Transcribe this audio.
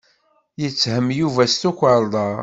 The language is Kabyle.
Yetthem Yuba s tukerḍa.